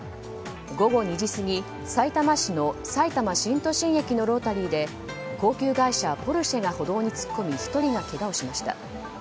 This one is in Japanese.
午後２時過ぎ、さいたま市のさいたま新都心駅のロータリーで高級外車ポルシェが歩道に突っ込み１人がけがをしました。